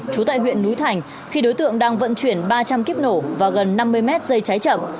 trú tại huyện núi thành khi đối tượng đang vận chuyển ba trăm linh kiếp nổ và gần năm mươi mét dây cháy chậm